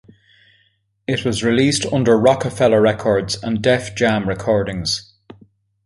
It was released under Roc-A-Fella Records and Def Jam Recordings.